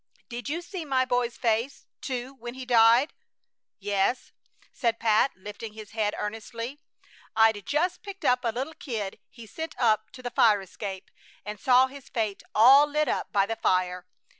Did you see my boy's face, too, when he died?" "Yes," said Pat, lifting his head earnestly. "I'd just picked up a little kid he sent up to the fire escape, and saw his face all lit up by the fire.